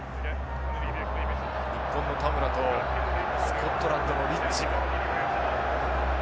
日本の田村とスコットランドのリッチ。